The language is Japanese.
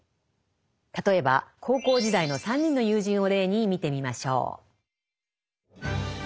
例えば高校時代の３人の友人を例に見てみましょう。